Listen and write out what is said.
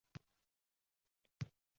Undan keyin o’ylashingizni hech sezganmisiz?